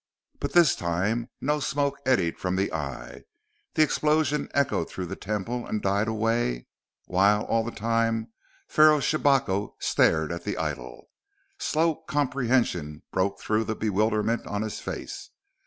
But this time no smoke eddied from the eye. The explosion echoed through the Temple and died away, while all the time Pharaoh Shabako stared at the idol. Slow comprehension broke through the bewilderment on his face.